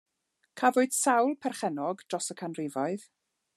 Cafwyd sawl perchennog dros y canrifoedd.